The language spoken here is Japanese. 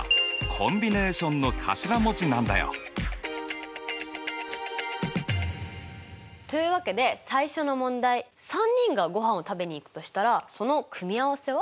「Ｃｏｍｂｉｎａｔｉｏｎ」の頭文字なんだよ。というわけで最初の問題３人がごはんを食べに行くとしたらその組合せは？